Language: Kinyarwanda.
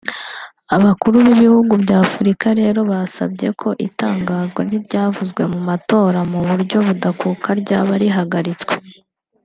Abakuru b’ibihugu by’Afrika rero basabye ko itangazwa ry’ibyavuye mu matora mu buryo budakuka ryaba rihagaritswe